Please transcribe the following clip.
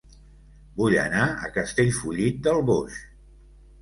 Vull anar a Castellfollit del Boix